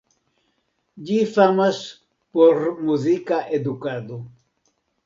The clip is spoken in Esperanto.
Ĝi famas por muzika edukado.